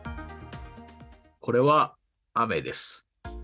これは雨です。